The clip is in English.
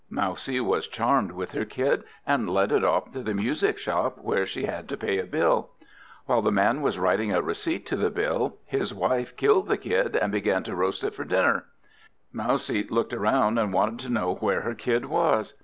Mousie was charmed with her Kid and led it off to the music shop, where she had to pay a bill. While the man was writing a receipt to the bill, his wife killed the Kid, and began to roast it for dinner. Mousie looked round, and wanted to know where her Kid was?